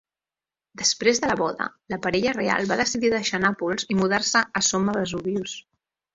Després de la boda, la parella real va decidir deixar Nàpols i mudar-se a Somma-Vesuvius.